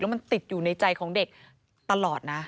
มันติดอยู่ในใจของเด็กตลอดนะ